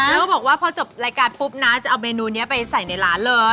แล้วก็บอกว่าพอจบรายการปุ๊บนะจะเอาเมนูนี้ไปใส่ในร้านเลย